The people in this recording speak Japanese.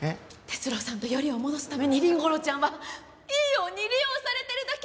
哲郎さんとよりを戻すために凛吾郎ちゃんはいいように利用されてるだけ！